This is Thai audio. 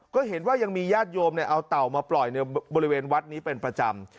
ก็เห็นว่ายังมีญาติโยมเอาเต่ามาปล่อยในบริเวณวัดนี้เป็นประจำ